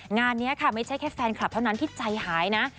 งานนี้ค่ะไม่ใช่แค่แฟนคลับเท่านั้นที่ใจหายนะ